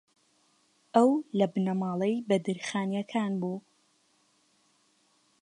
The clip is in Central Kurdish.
ئەو لە بنەماڵەی بەدرخانییەکان بوو